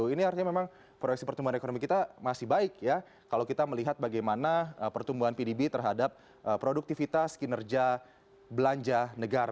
ini artinya memang proyeksi pertumbuhan ekonomi kita masih baik ya kalau kita melihat bagaimana pertumbuhan pdb terhadap produktivitas kinerja belanja negara